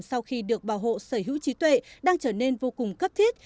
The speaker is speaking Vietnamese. sau khi được bảo hộ sở hữu trí tuệ đang trở nên vô cùng cấp thiết